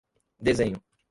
desenho